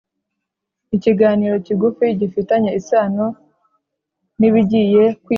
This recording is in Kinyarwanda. ikiganiro kigufi gifitanye isano n’ibigiye kwigwa